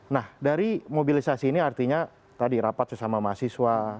nah dari mobilisasi ini artinya tadi rapat sesama mahasiswa